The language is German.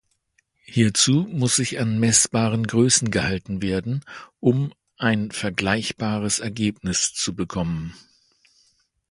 Hierzu muss sich an messbaren Größen gehalten werden, um ein vergleichbares Ergebnis zu bekommen.